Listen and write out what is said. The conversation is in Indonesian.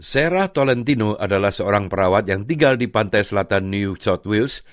sarah tolentino adalah seorang perawat yang tinggal di pantai selatan new south wales